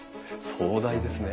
壮大ですね。